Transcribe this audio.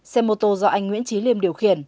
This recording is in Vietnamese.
xe mô tô do anh nguyễn trí liêm điều khiển